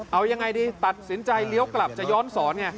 เอายังไงดีตัดสินใจเลี้ยวกลับจะย้อนสอนไง